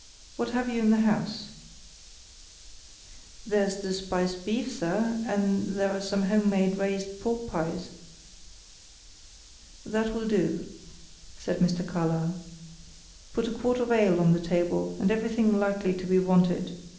What have you in the house?" "There's the spiced beef, sir; and there are some home made raised pork pies." "That will do," said Mr. Carlyle. "Put a quart of ale on the table, and everything likely to be wanted.